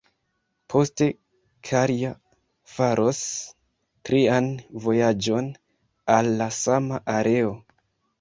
Poste Cartier faros trian vojaĝon al la sama areo.